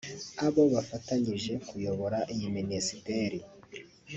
abo bafatanyije kuyobora iyi Minisiteri